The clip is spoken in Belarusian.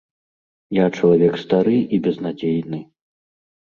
Я чалавек стары і безнадзейны.